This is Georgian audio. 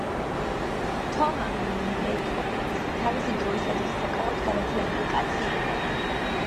თომა მეწოფეცი თავისი დროისათვის საკმაოდ განათლებული კაცი იყო.